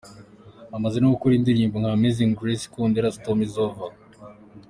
amaze no gukora indirimbo nka Amazing grace, Ikondera, Storm is over.